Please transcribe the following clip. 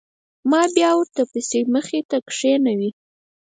ما بيا ورته پيسې مخې ته كښېښووې.